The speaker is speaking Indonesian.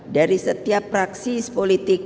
dari setiap praksis politik